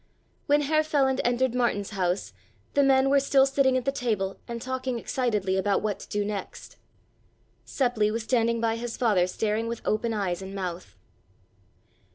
When Herr Feland entered Martin's house the men were still sitting at the table and talking excitedly about what to do next. Seppli was standing by his father staring with open eyes and mouth.